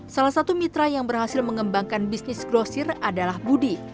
salah satu mitra yang berhasil mengembangkan bisnis grosir adalah budi